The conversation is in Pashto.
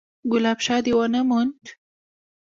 _ګلاب شاه دې ونه موند؟